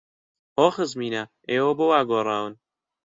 هۆ خزمینە، ئێوە بۆ وا گۆڕاون!